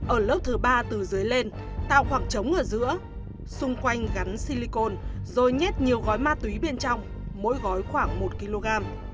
ở lớp thứ ba từ dưới lên tạo khoảng trống ở giữa xung quanh gắn silicon rồi nhét nhiều gói ma túy bên trong mỗi gói khoảng một kg